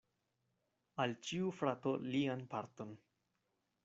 Al ĉiu frato lian parton.